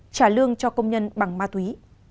trả lương cho công nhân bằng ma túy